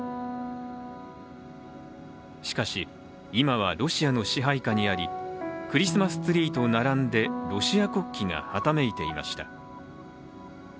しかし、今はロシアの支配下にありクリスマスツリーと並んでロシア国旗がはためいていました。